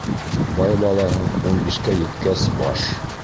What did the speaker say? Бай балаһы ун бишкә еткәс баш